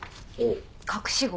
隠し子。